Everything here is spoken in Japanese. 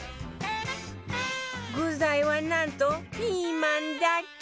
具材はなんとピーマンだけ